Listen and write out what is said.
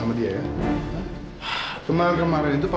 kau pukul awkward aja pak